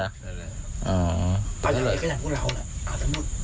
ก็อยู่กับไอ้กระหยังพวกเราน่ะอ่าสมมุติ